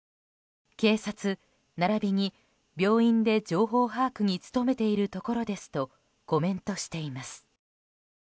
警察、ならびに病院で情報把握に努めているところですとコメントしています。